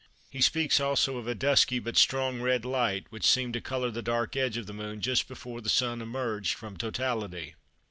He speaks also of a dusky but strong red light which seemed to colour the dark edge of the Moon just before the Sun emerged from totality.